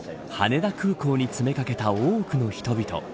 昨日、羽田空港に詰めかけた多くの人々。